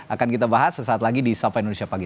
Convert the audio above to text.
akan kita bahas sesaat lagi di sapa indonesia pagi